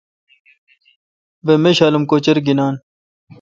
بہ میشالم کوچر گینان۔